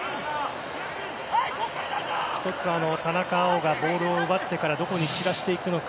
１つ、田中碧がボールを奪ってからどこに散らしていくのか